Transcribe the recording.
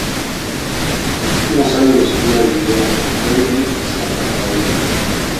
Los últimos años de su vida vivió en Joinville, Santa Catarina.